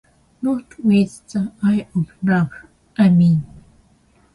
Not with the eye of love, I mean.